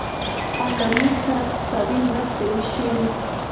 او له موږ سره اقتصادي مرستې وشي